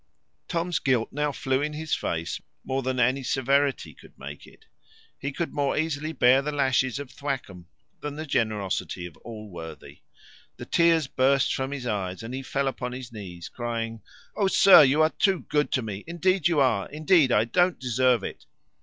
Tom's guilt now flew in his face more than any severity could make it. He could more easily bear the lashes of Thwackum, than the generosity of Allworthy. The tears burst from his eyes, and he fell upon his knees, crying, "Oh, sir, you are too good to me. Indeed you are. Indeed I don't deserve it."